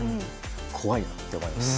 怖いなって思います。